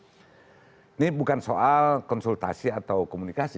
ini bukan soal konsultasi atau komunikasi